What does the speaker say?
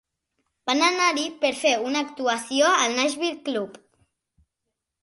Van anar-hi per fer una actuació al Nashville Club.